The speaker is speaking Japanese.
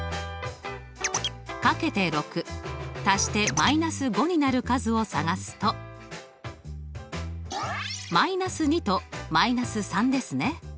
掛けて６足して−５になる数を探すと−２と−３ですね。